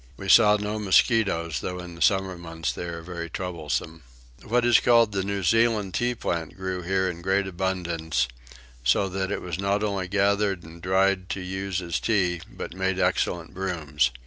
We saw no mosquitoes, though in the summer months they are very troublesome. What is called the New Zealand tea plant grew here in great abundance; so that it was not only gathered and dried to use as tea but made excellent brooms.